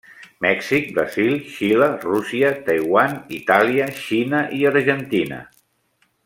Mèxic, Brasil, Xile, Rússia, Taiwan, Itàlia, Xina i Argentina.